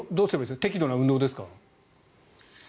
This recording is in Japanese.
適度な運動ですか？